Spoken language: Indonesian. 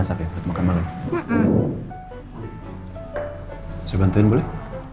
saya bantuin boleh